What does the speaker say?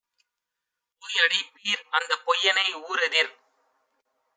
போய்அடைப் பீர்! அந்தப் பொய்யனை ஊரெதிர்